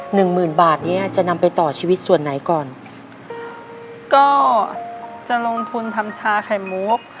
หนึ่งหมื่นบาทเนี้ยจะนำไปต่อชีวิตส่วนไหนก่อนก็จะลงทุนทำชาไข่มุก